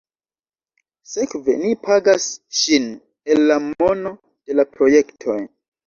Sekve ni pagas ŝin el la mono de la projektoj.